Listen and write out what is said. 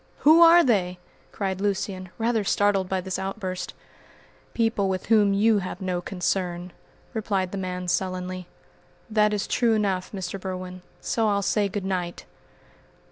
"Who are they?" cried Lucian, rather startled by this outburst. "People with whom you have no concern," replied the man sullenly. "That is true enough, Mr. Berwin, so I'll say good night!"